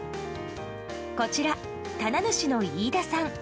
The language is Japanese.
こちら、棚主の飯田さん。